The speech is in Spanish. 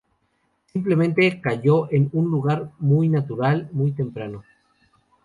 Simplemente cayó en un lugar muy natural muy temprano.